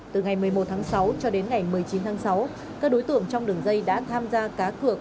từ ngày một mươi một tháng sáu cho đến ngày một mươi chín tháng sáu các đối tượng trong đường dây đã tham gia cá cược